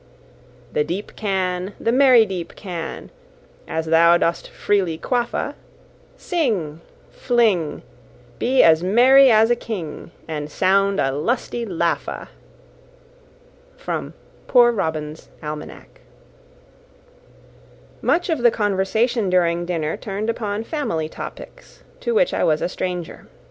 The deep canne, The merry deep canne, As thou dost freely quaff a, Sing, Fling, Be as merry as a king, And sound a lusty laugh a.* * From "Poor Robin's Almanack." Much of the conversation during dinner turned upon family topics, to which I was a stranger.